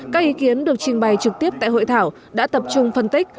các ý kiến được trình bày trực tiếp tại hội thảo đã tập trung phân tích